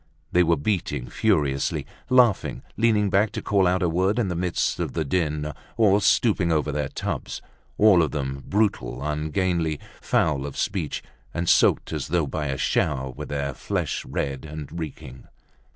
They were beating furiously, laughing, leaning back to call out a word in the midst of the din, or stooping over their tubs, all of them brutal, ungainly, foul of speech, and soaked as though by a shower, with their flesh red and reeking.